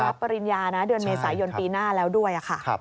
จะรับปริญญาเดือนเมษายนปีหน้าแล้วด้วย